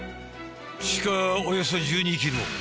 地下およそ１２ｋｍ。